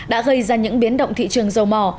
đã gây ra những biến động thị trường dầu mỏ